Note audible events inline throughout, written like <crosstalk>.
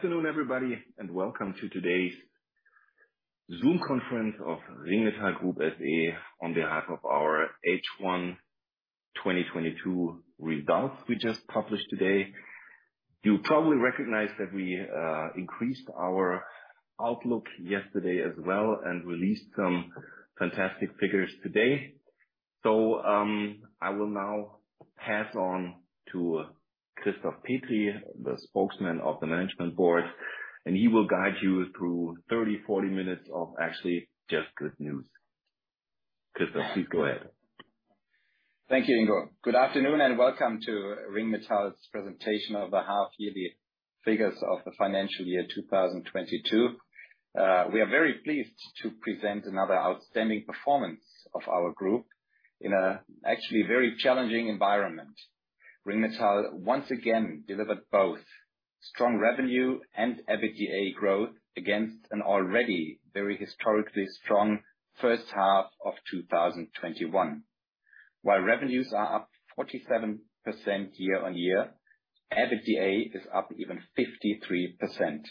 It's good afternoon, everybody, and welcome to today's Zoom conference of Ringmetall Group SE on behalf of our H1 2022 results we just published today. You probably recognize that we increased our outlook yesterday as well and released some fantastic figures today. I will now pass on to Christoph Petri, the Spokesman of the Management Board, and he will guide you through 30, 40 minutes of actually just good news. Christoph, please go ahead. Thank you, Ingo. Good afternoon, and welcome to Ringmetall's presentation of the half yearly figures of the financial year 2022. We are very pleased to present another outstanding performance of our group in a actually very challenging environment. Ringmetall once again delivered both strong revenue and EBITDA growth against an already very historically strong first half of 2021. While revenues are up 47% year-on-year, EBITDA is up even 53%.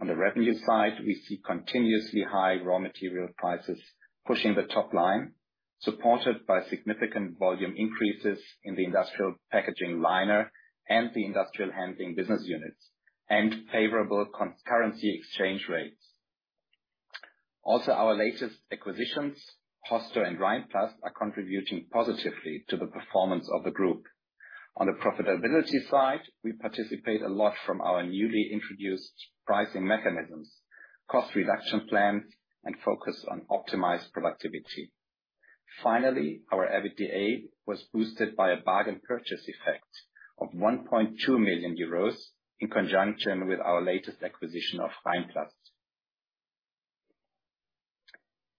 On the revenue side, we see continuously high raw material prices pushing the top line, supported by significant volume increases in the industrial packaging liner and the industrial handling business units and favorable currency exchange rates. Also, our latest acquisitions, Hosto and Rhein-Plast, are contributing positively to the performance of the group. On the profitability side, we participate a lot from our newly introduced pricing mechanisms, cost reduction plans, and focus on optimized productivity. Finally, our EBITDA was boosted by a bargain purchase effect of 1.2 million euros in conjunction with our latest acquisition of Rhein-Plast.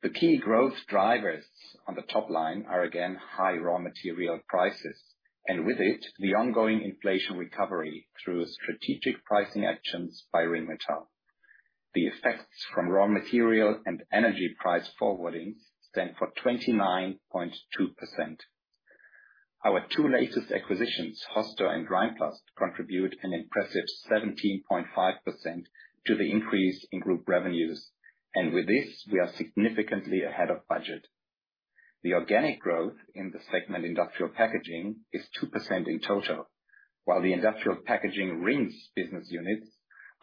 The key growth drivers on the top line are again high raw material prices, and with it, the ongoing inflation recovery through strategic pricing actions by Ringmetall. The effects from raw material and energy price forwarding stand for 29.2%. Our two latest acquisitions, Hosto and Rhein-Plast, contribute an impressive 17.5% to the increase in group revenues. With this, we are significantly ahead of budget. The organic growth in the Industrial Packaging segment is 2% in total. While the Industrial Packaging Rings business units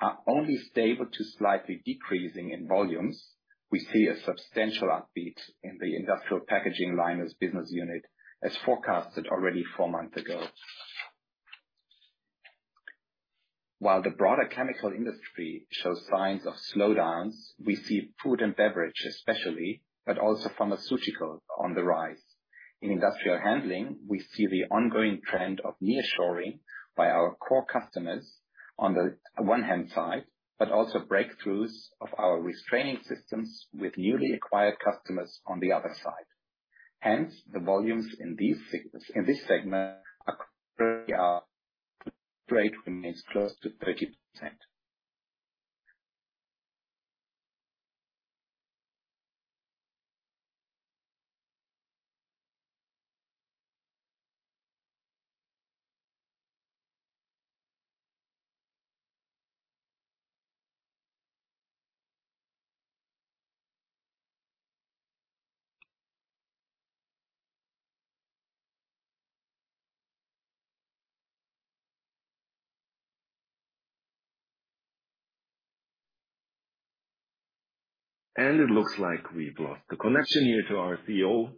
are only stable to slightly decreasing in volumes, we see a substantial upbeat in the Industrial Packaging Liners business unit as forecasted already four months ago. While the broader chemical industry shows signs of slowdowns, we see food and beverage especially, but also pharmaceutical on the rise. In Industrial Handling, we see the ongoing trend of nearshoring by our core customers on the one hand side, but also breakthroughs of our restraining systems with newly acquired customers on the other side. Hence, the volumes in this segment are It looks like we've lost the connection here to our CEO.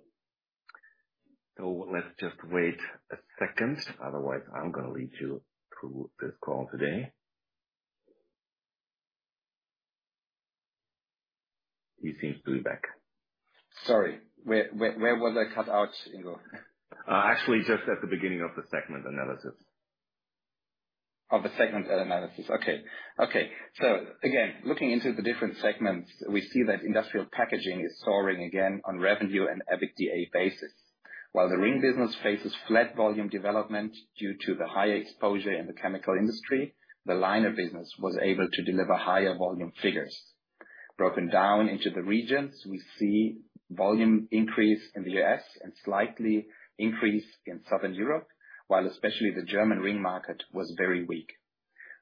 Let's just wait a second. Otherwise, I'm gonna lead you through this call today. He seems to be back. Sorry, where was I cut out, Ingo? Actually, just at the beginning of the segment analysis. Looking into the different segments, we see that Industrial Packaging is soaring again on revenue and EBITDA basis. While the rings business faces flat volume development due to the higher exposure in the chemical industry, the liner business was able to deliver higher volume figures. Broken down into the regions, we see volume increase in the US and slight increase in Southern Europe, while especially the German rings market was very weak.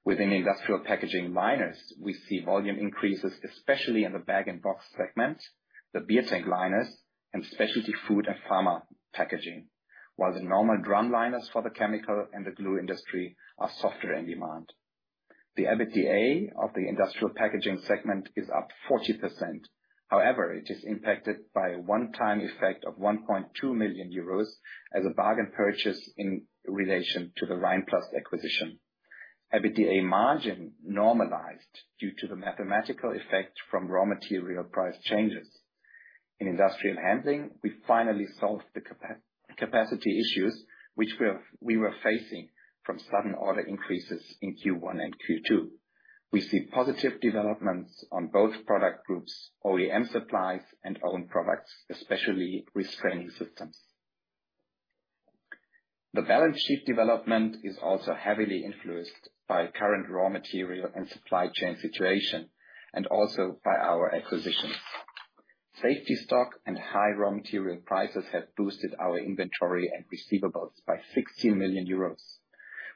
Within Industrial Packaging Liners, we see volume increases, especially in the bag-in-box segments, the beer tank liners and specialty food and pharma packaging, while the normal drum liners for the chemical and the glue industry are softer in demand. The EBITDA of the Industrial Packaging segment is up 40%. However, it is impacted by a one-time effect of 1.2 million euros as a bargain purchase in relation to the Rhein-Plast acquisition. EBITDA margin normalized due to the mathematical effect from raw material price changes. In Industrial Handling, we finally solved the capacity issues which we were facing from sudden order increases in Q1 and Q2. We see positive developments on both product groups, OEM supplies and own products, especially restraining systems. The balance sheet development is also heavily influenced by current raw material and supply chain situation, and also by our acquisitions. Safety stock and high raw material prices have boosted our inventory and receivables by 60 million euros,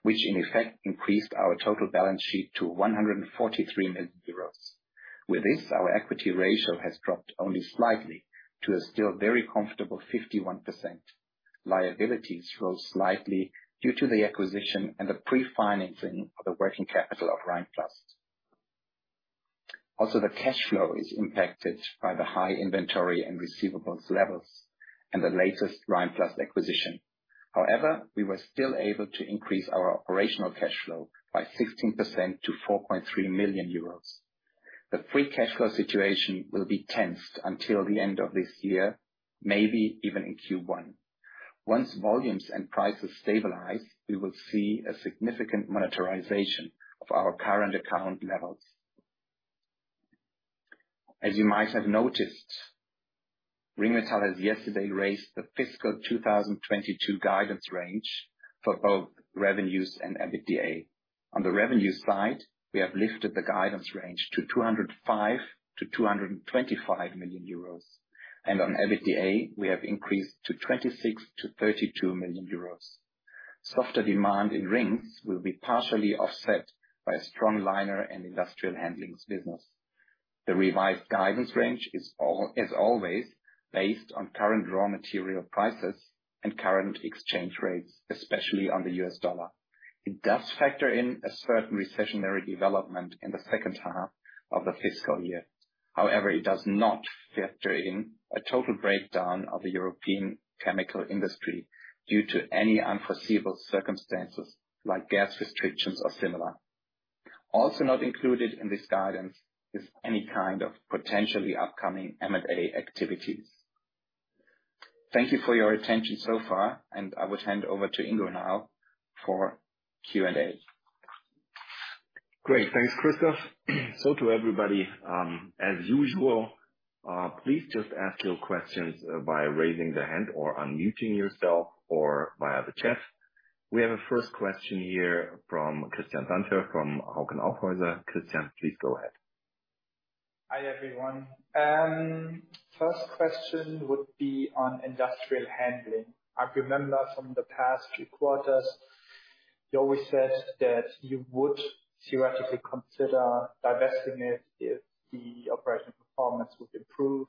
which in effect increased our total balance sheet to 143 million euros. With this, our equity ratio has dropped only slightly to a still very comfortable 51%. Liabilities rose slightly due to the acquisition and the pre-financing of the working capital of Rhein-Plast. The cash flow is impacted by the high inventory and receivables levels and the latest Rhein-Plast acquisition. We were still able to increase our operational cash flow by 16% to 4.3 million euros. The free cash flow situation will be tense until the end of this year, maybe even in Q1. Once volumes and prices stabilize, we will see a significant monetization of our current asset levels. As you might have noticed, Ringmetall has yesterday raised the fiscal 2022 guidance range for both revenues and EBITDA. On the revenue side, we have lifted the guidance range to 205 million-225 million euros, and on EBITDA we have increased to 26 million-32 million euros. Softer demand in rings will be partially offset by a strong liner and Industrial Handling business. The revised guidance range is always based on current raw material prices and current exchange rates, especially on the US dollar. It does factor in a certain recessionary development in the second half of the fiscal year. However, it does not factor in a total breakdown of the European chemical industry due to any unforeseeable circumstances like gas restrictions or similar. Also not included in this guidance is any kind of potentially upcoming M&A activities. Thank you for your attention so far, and I will hand over to Ingo now for Q&A. Great. Thanks, Christoph. To everybody, as usual, please just ask your questions by raising the hand or unmuting yourself or via the chat. We have a first question here from Christian Sandherr, from Hauck & Aufhäuser. Christian, please go ahead. Hi, everyone. First question would be on Industrial Handling. I remember from the past few quarters you always said that you would theoretically consider divesting it if the operational performance would improve,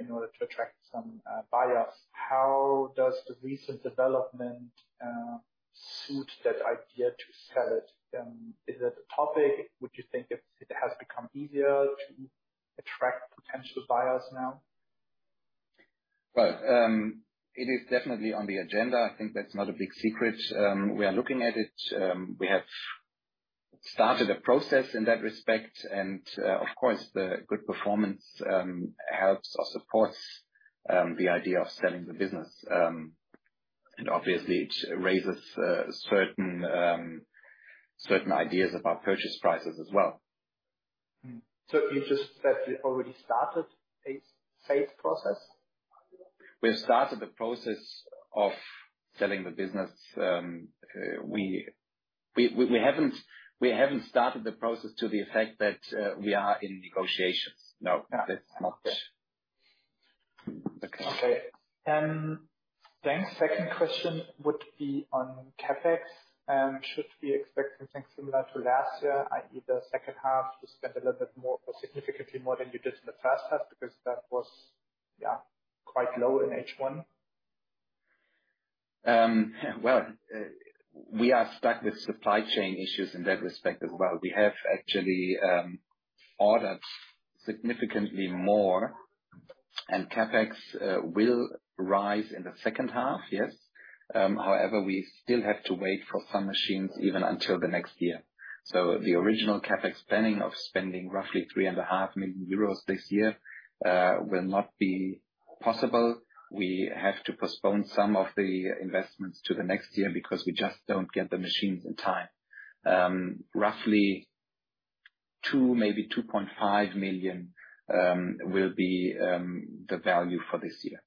in order to attract some buyers. How does the recent development suit that idea to sell it? Is it a topic? Would you think it has become easier to attract potential buyers now? Well, it is definitely on the agenda. I think that's not a big secret. We are looking at it. We have started a process in that respect, and, of course, the good performance helps or supports the idea of selling the business. Obviously it raises certain ideas about purchase prices as well. You've just said you've already started a sales process? We've started the process of selling the business. We haven't started the process to the effect that we are in negotiations. No. No. It's not there. Okay. Thanks. Second question would be on CapEx, and should we expect something similar to last year, i.e. the second half you spend a little bit more or significantly more than you did in the first half? Because that was, yeah, quite low in H1. Well, we are stuck with supply chain issues in that respect as well. We have actually ordered significantly more, and CapEx will rise in the second half, yes. However, we still have to wait for some machines, even until the next year. The original CapEx planning of spending roughly 3.5 million euros this year will not be possible. We have to postpone some of the investments to the next year because we just don't get the machines in time. Roughly 2 million, maybe 2.5 million, will be the value for this year.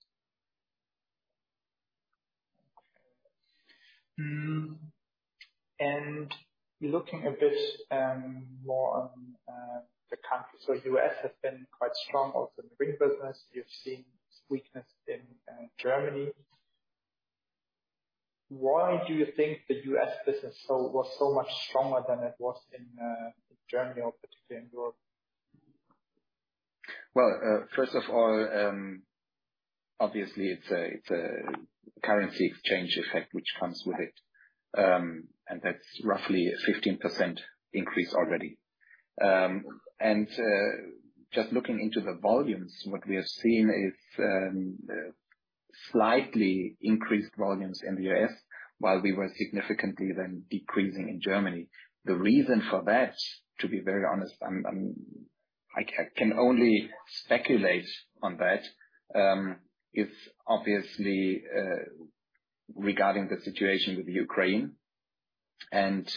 Looking a bit more on the quarter. The U.S. has been quite strong also in the ring business. You've seen weakness in Germany. Why do you think the U.S. business was so much stronger than it was in Germany or particularly in Europe? First of all, obviously it's a currency exchange effect which comes with it, and that's roughly a 15% increase already. Just looking into the volumes, what we are seeing is slightly increased volumes in the U.S. while we were significantly then decreasing in Germany. The reason for that, to be very honest, I can only speculate on that, is obviously regarding the situation with Ukraine and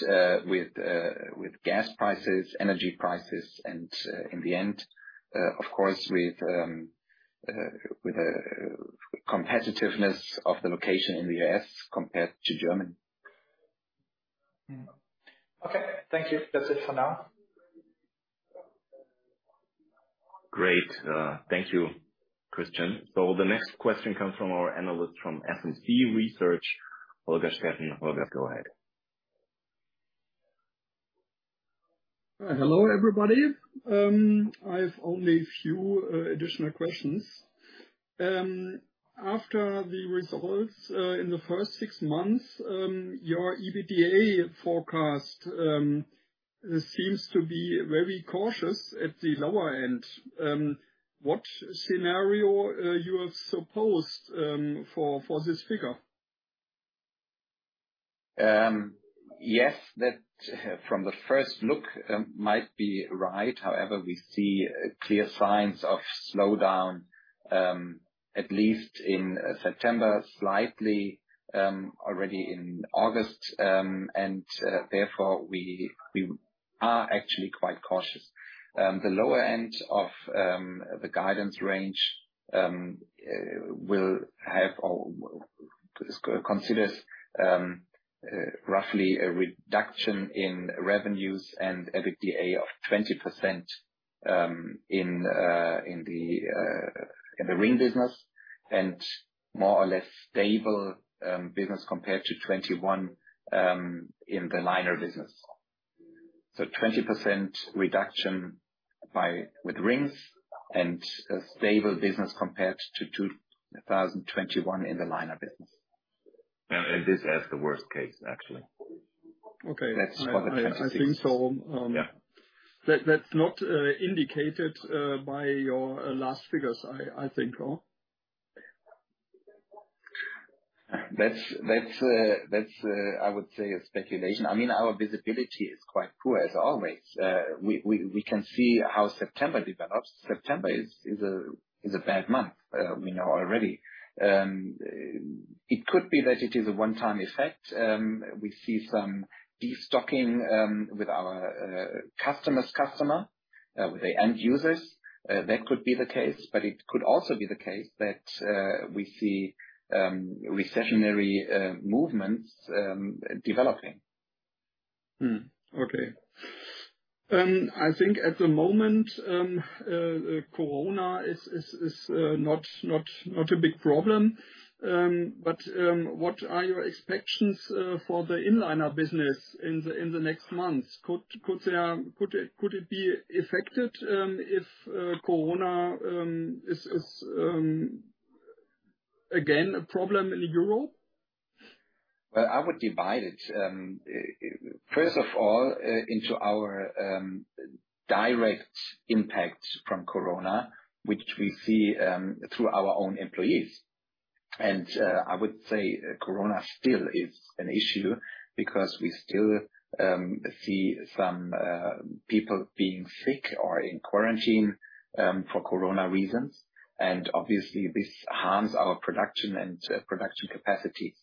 with gas prices, energy prices, and in the end, of course, with the competitiveness of the location in the U.S. compared to Germany. Mm-hmm. Okay. Thank you. That's it for now. Great. Thank you, Christian Sandherr. The next question comes from our analyst from SMC Research, Holger Steffen. Holger, go ahead. Hello, everybody. I've only a few additional questions. After the results in the first six months, your EBITDA forecast seems to be very cautious at the lower end. What scenario you have supposed for this figure? Yes, that, from the first look, might be right. However, we see clear signs of slowdown, at least in September, slightly already in August, and therefore, we are actually quite cautious. The lower end of the guidance range will have or considers roughly a reduction in revenues and EBITDA of 20% in the ring business, and more or less stable business compared to 2021 in the liner business. 20% reduction with rings and a stable business compared to 2021 in the liner business. This as the worst case, actually. Okay. That's for the 2022 season. I think so. Yeah. That's not indicated by your last figures, I think no? That's a speculation. I mean, our visibility is quite poor as always. We can see how September develops. September is a bad month, we know already. It could be that it is a one-time effect. We see some destocking with our customer's customer, with the end users. That could be the case, but it could also be the case that we see recessionary movements developing. I think at the moment, Corona is not a big problem. What are your expectations for the inliner business in the next months? Could it be affected if Corona is again a problem in Europe? Well, I would divide it first of all into our direct impact from Corona, which we see through our own employees. I would say Corona still is an issue because we still see some people being sick or in quarantine for Corona reasons. Obviously, this harms our production and production capacities.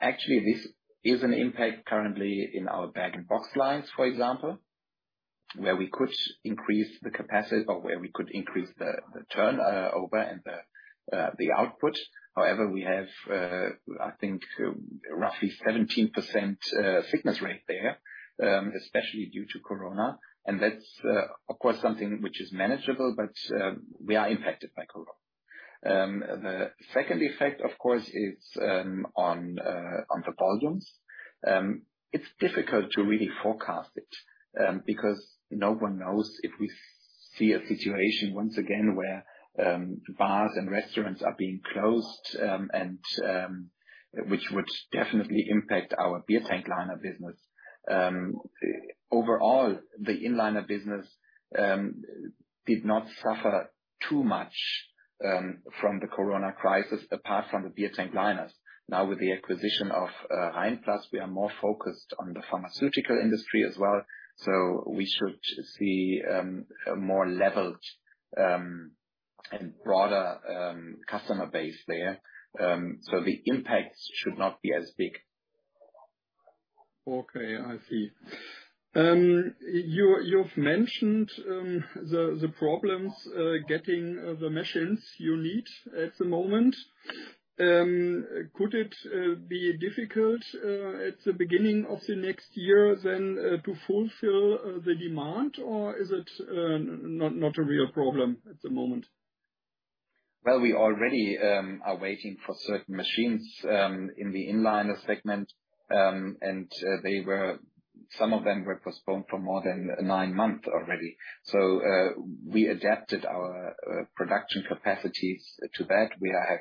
Actually, this is an impact currently in our bag-in-box lines, for example, where we could increase the capacity or where we could increase the turnover and the output. However, we have, I think, roughly 17% sickness rate there, especially due to Corona. That's of course something which is manageable, but we are impacted by Corona. The second effect, of course, is on the volumes. It's difficult to really forecast it, because no one knows if we see a situation once again where bars and restaurants are being closed, and which would definitely impact our beer tank liners business. Overall, the inliner business did not suffer too much from the Corona crisis, apart from the beer tank liners. Now, with the acquisition of Rhein-Plast, we are more focused on the pharmaceutical industry as well. We should see a more leveled and broader customer base there. The impact should not be as big. Okay. I see. You've mentioned the problems getting the machines you need at the moment. Could it be difficult at the beginning of the next year then to fulfill the demand, or is it not a real problem at the moment? Well, we already are waiting for certain machines in the inliner segment. Some of them were postponed for more than nine months already. We adapted our production capacities to that. We have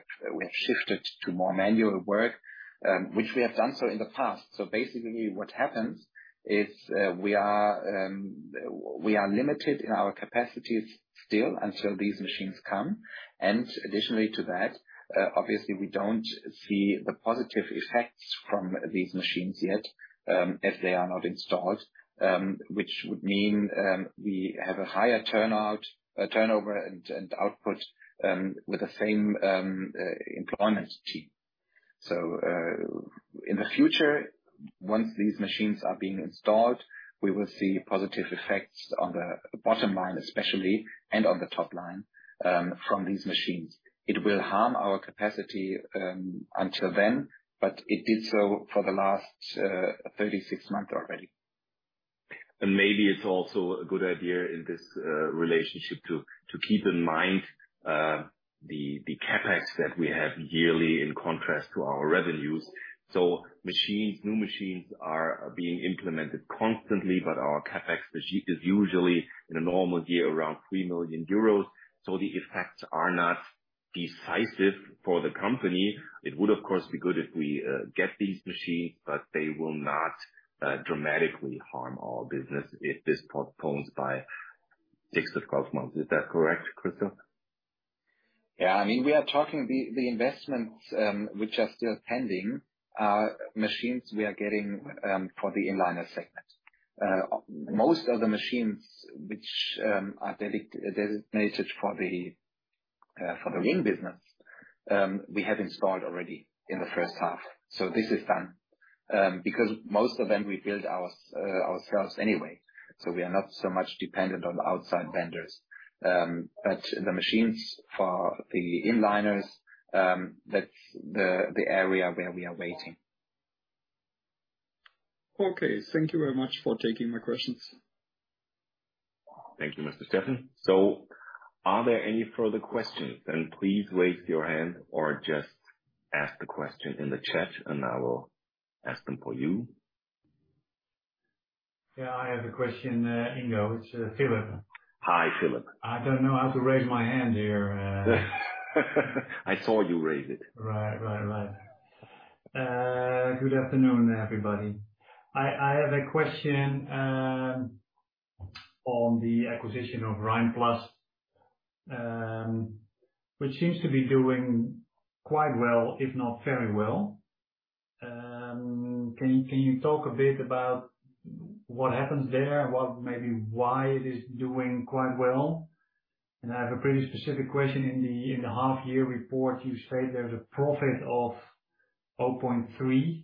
shifted to more manual work, which we have done so in the past. Basically, what happens is, we are limited in our capacities still until these machines come. Additionally to that, obviously we don't see the positive effects from these machines yet, as they are not installed, which would mean, we have a higher turnout, turnover and output, with the same employment team. In the future, once these machines are being installed, we will see positive effects on the bottom line especially, and on the top line, from these machines. It will harm our capacity, until then, but it did so for the last 36 months already. Maybe it's also a good idea in this relationship to keep in mind the CapEx that we have yearly in contrast to our revenues. Machines, new machines are being implemented constantly, but our CapEx budget is usually in a normal year around 3 million euros. The effects are not decisive for the company. It would, of course, be good if we get these machines, but they will not dramatically harm our business if this postpones by six to 12 months. Is that correct, Christoph? Yeah. I mean, we are talking about the investments, which are still pending, are machines we are getting for the inliner segment. Most of the machines which are designated for the main business, we have installed already in the first half. This is done, because most of them we build ourselves anyway, so we are not so much dependent on the outside vendors. The machines for the inliners, that's the area where we are waiting. Okay. Thank you very much for taking my questions. Thank you, Mr. Steffen. Are there any further questions? Please raise your hand or just ask the question in the chat and I will ask them for you. Yeah, I have a question, Ingo. It's Philip. Hi, Philip. I don't know how to raise my hand here. I saw you raise it. Good afternoon, everybody. I have a question on the acquisition of Rhein-Plast, which seems to be doing quite well, if not very well. Can you talk a bit about what happens there and maybe why it is doing quite well? I have a pretty specific question. In the half year report, you say there's a profit of 0.3.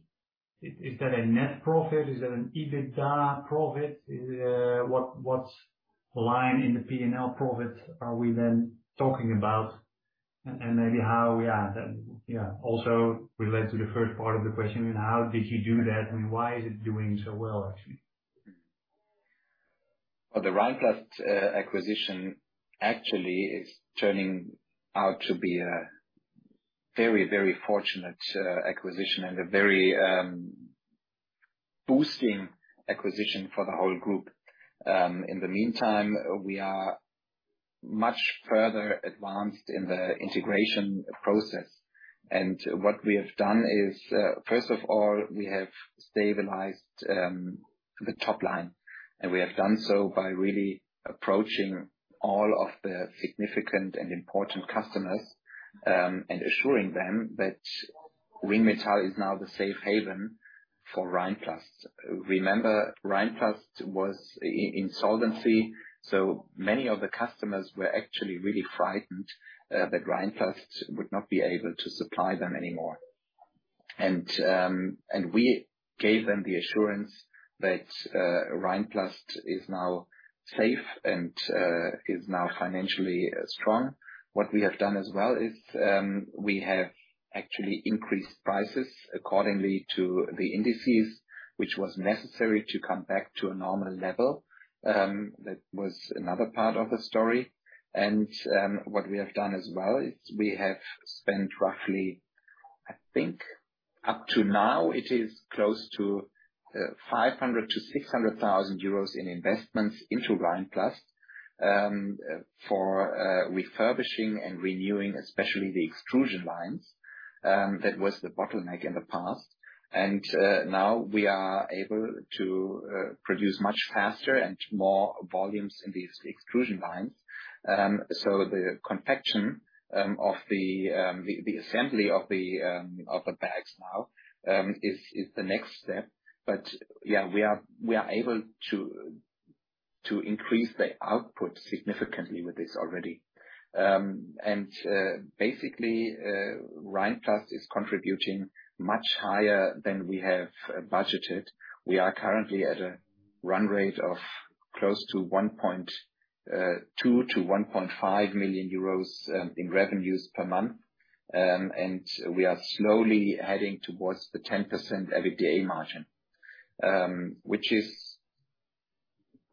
Is that a net profit? Is that an EBITDA profit? What line in the P&L are we then talking about? Also relates to the first part of the question, how did you do that and why is it doing so well, actually? Well, the Rhein-Plast acquisition actually is turning out to be a very, very fortunate acquisition and a very boosting acquisition for the whole group. In the meantime, we are much further advanced in the integration process. What we have done is, first of all, we have stabilized the top line, and we have done so by really approaching all of the significant and important customers and assuring them that Ringmetall is now the safe haven for Rhein-Plast. Remember, Rhein-Plast was in insolvency, so many of the customers were actually really frightened that Rhein-Plast would not be able to supply them anymore. We gave them the assurance that Rhein-Plast is now safe and is now financially strong. What we have done as well is we have actually increased prices accordingly to the indices, which was necessary to come back to a normal level. That was another part of the story. What we have done as well is we have spent roughly, I think up to now it is close to 500 thousand-600 thousand euros in investments into Rhein-Plast for refurbishing and renewing, especially the extrusion lines, that was the bottleneck in the past. Now we are able to produce much faster and more volumes in these extrusion lines. So the production of the assembly of the bags now is the next step. Yeah, we are able to increase the output significantly with this already. Basically, Rhein-Plast is contributing much higher than we have budgeted. We are currently at a run rate of close to 1.2 million-1.5 million euros in revenues per month. We are slowly heading towards the 10% EBITDA margin, which is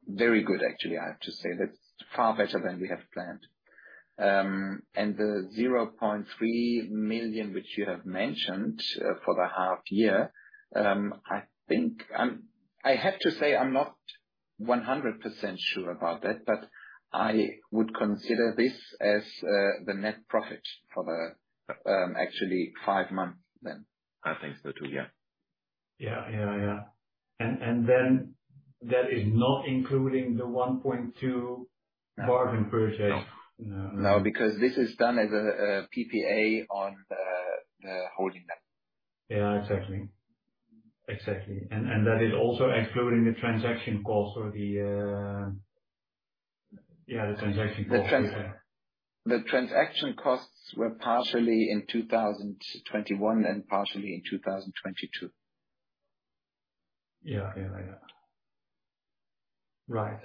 very good, actually. I have to say that's far better than we have planned. The 0.3 million, which you have mentioned, for the half year, I have to say I'm not 100% sure about that, but I would consider this as the net profit for the actually five months then. I think so too. Yeah. Yeah. That is not including the 1.2 bargain purchase. No. No. No, because this is done as a PPA on the holding net. Yeah, exactly. That is also excluding the transaction costs or the transaction costs. The transaction costs were partially in 2021 and partially in 2022. Yeah. Right.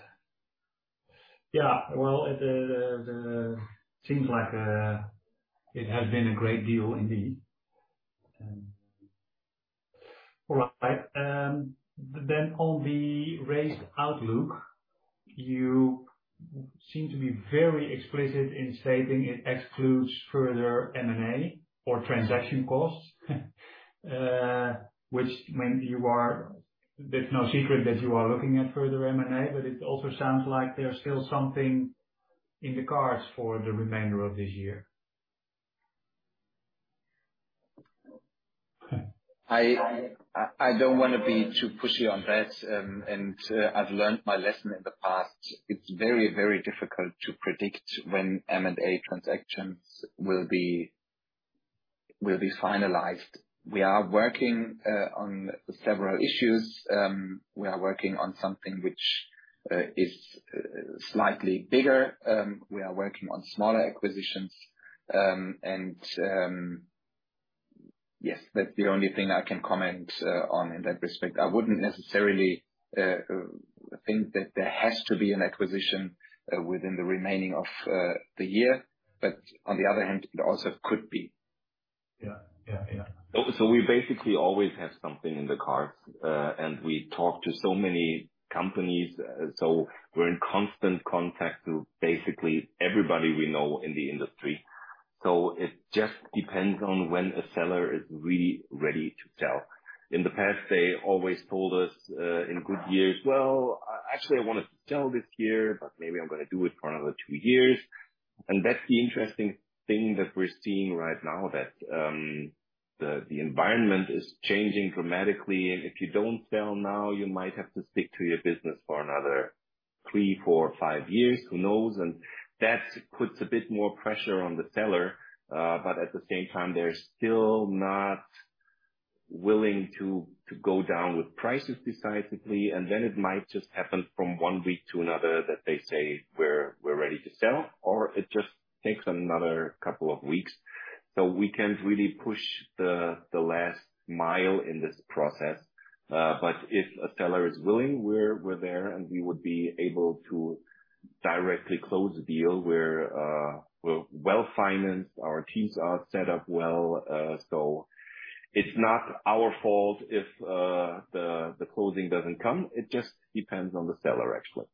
Yeah. Well, it seems like it has been a great deal indeed. All right. On the raised outlook, you seem to be very explicit in stating it excludes further M&A or transaction costs. That's no secret that you are looking at further M&A, but it also sounds like there's still something in the cards for the remainder of this year. I don't wanna be too pushy on that, and I've learned my lesson in the past. It's very, very difficult to predict when M&A transactions will be finalized. We are working on several issues. We are working on something which is slightly bigger. We are working on smaller acquisitions. Yes, that's the only thing I can comment on in that respect. I wouldn't necessarily think that there has to be an acquisition within the remaining of the year. On the other hand, it also could be. Yeah. Yeah, yeah. We basically always have something in the cards, and we talk to so many companies. We're in constant contact to basically everybody we know in the industry. It just depends on when a seller is really ready to sell. In the past, they always told us, in good years, "Well, actually I wanted to sell this year, but maybe I'm gonna do it for another two years." That's the interesting thing that we're seeing right now that the environment is changing dramatically, and if you don't sell now, you might have to stick to your business for another three, four, five years. Who knows? That puts a bit more pressure on the seller. At the same time, they're still not willing to go down with prices decisively, and then it might just happen from one week to another that they say, "We're ready to sell," or it just takes another couple of weeks. We can't really push the last mile in this process. If a seller is willing, we're there, and we would be able to directly close the deal. We're well-financed. Our teams are set up well, so it's not our fault if the closing doesn't come. It just depends on the seller, actually.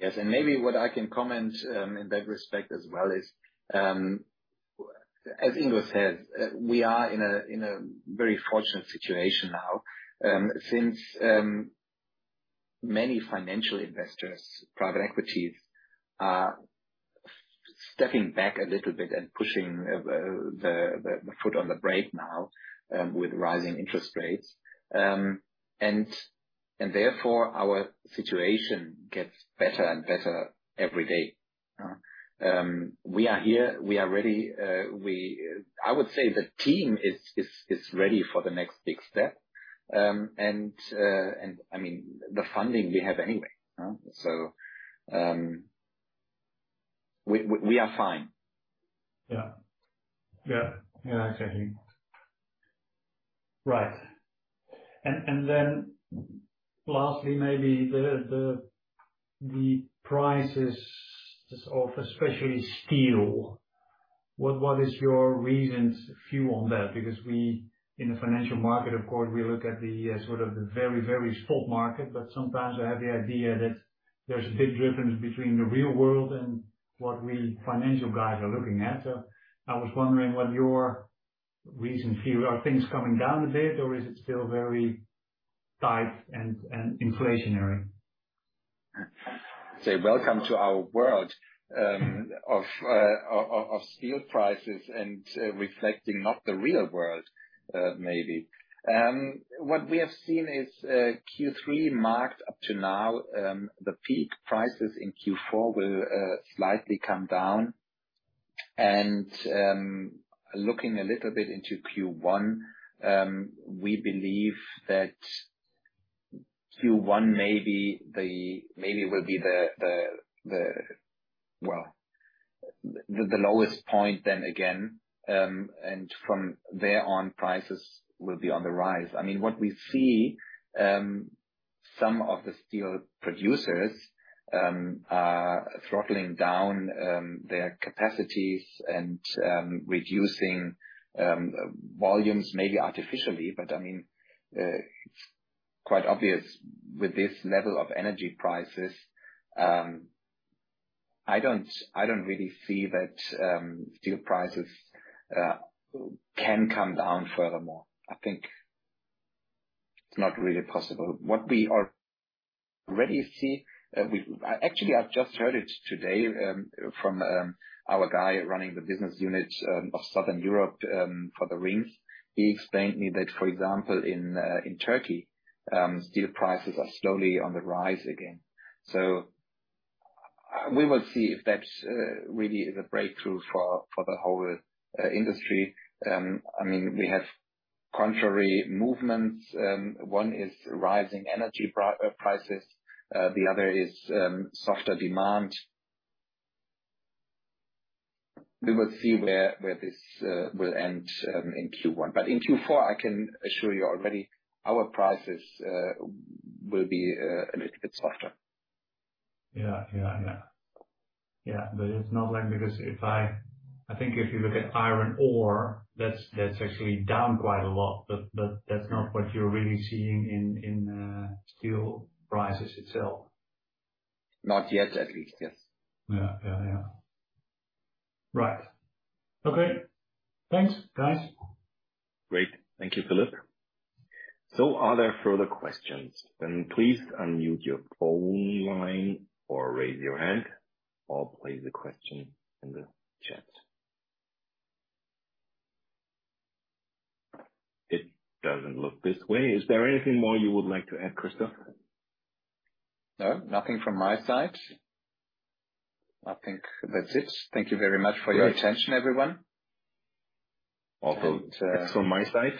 Yes. Maybe what I can comment in that respect as well is, as Ingo said, we are in a very fortunate situation now, since many financial investors, private equities are stepping back a little bit and pushing the foot on the brake now, with rising interest rates. Therefore, our situation gets better and better every day. We are here. We are ready. I would say the team is ready for the next big step. I mean, the funding we have anyway, huh? We are fine. Yeah. Yeah. Yeah, exactly. Right. Then lastly, maybe the prices of especially steel. What is your reasoned view on that? Because we, in the financial market, of course, we look at the sort of the very, very spot market. Sometimes I have the idea that there's a big difference between the real world and what we financial guys are looking at. I was wondering what your reasoned view. Are things coming down a bit, or is it still very tight and inflationary? Welcome to our world of steel prices and reflecting not the real world, maybe. What we have seen is Q3 marked, up to now, the peak. Prices in Q4 will slightly come down. Looking a little bit into Q1, we believe that Q1 maybe will be the, well, the lowest point then again, and from there on, prices will be on the rise. I mean, what we see, some of the steel producers are throttling down their capacities and reducing volumes maybe artificially. I mean, it's quite obvious with this level of energy prices. I don't really see that steel prices can come down furthermore. I think it's not really possible. Actually, I've just heard it today from our guy running the business unit of Southern Europe for the rings. He explained to me that, for example, in Turkey, steel prices are slowly on the rise again. We will see if that's really the breakthrough for the whole industry. I mean, we have contrary movements. One is rising energy prices, the other is softer demand. We will see where this will end in Q1. In Q4, I can assure you already our prices will be a little bit softer. Yeah. It's not like because I think if you look at iron ore, that's actually down quite a lot, but that's not what you're really seeing in steel prices itself. Not yet, at least. Yes. Yeah. Right. Okay. Thanks, guys. Great. Thank you, Philip. Are there further questions? Please unmute your phone line or raise your hand or place the question in the chat. It doesn't look this way. Is there anything more you would like to add, Christoph? No, nothing from my side. I think that's it. Thank you very much for your attention, everyone. Also, that's from my side.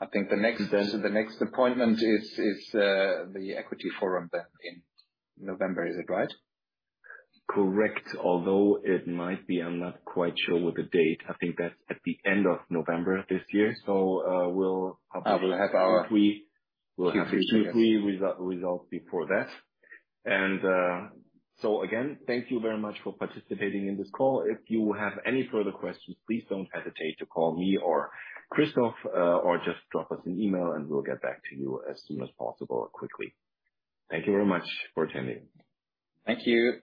I think the next appointment is the German Equity Forum then in November, is it right? Correct. Although it might be, I'm not quite sure with the date. I think that's at the end of November this year. I will have our- <crosstalk> Q3. We'll have Q3 results before that. Again, thank you very much for participating in this call. If you have any further questions, please don't hesitate to call me or Christoph, or just drop us an email, and we'll get back to you as soon as possible, quickly. Thank you very much for attending. Thank you.